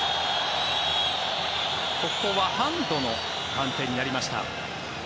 ここはハンドの判定になりました。